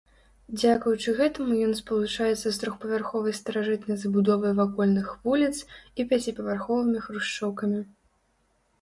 Дзякуючы гэтаму ён спалучаецца з трохпавярховай старажытнай забудовай вакольных вуліц і пяціпавярховымі хрушчоўкамі.